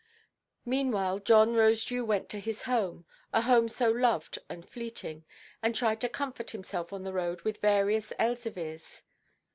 Meanwhile John Rosedew went to his home—a home so loved and fleeting—and tried to comfort himself on the road with various Elzevirs.